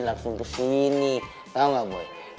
tau gak boy